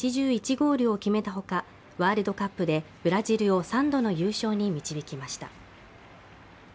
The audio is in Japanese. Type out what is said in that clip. ゴールを決めたほか、ワールドカップでブラジルを３度の優勝に導きました。